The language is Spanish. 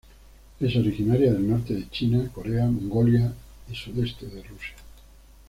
Es originaria del norte de China, Corea, Mongolia y sudeste de Rusia.